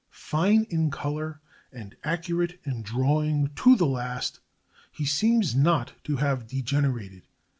Fine in color, and accurate in drawing to the last, he seems not to have degenerated.